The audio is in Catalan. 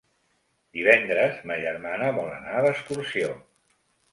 Divendres ma germana vol anar d'excursió.